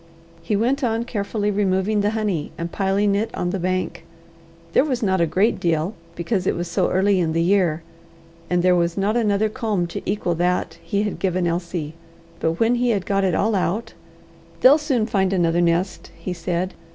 He went on carefully removing the honey, and piling it on the bank. There was not a great deal, because it was so early in the year, and there was not another comb to equal that he had given Elsie. But when he had got it all out "They'll soon find another nest," he said.